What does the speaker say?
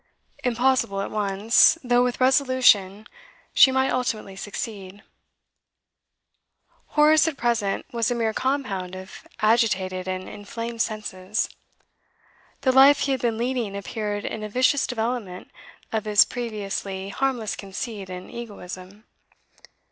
Impossible at once, though with resolution she might ultimately succeed. Horace, at present, was a mere compound of agitated and inflamed senses. The life he had been leading appeared in a vicious development of his previously harmless conceit and egoism.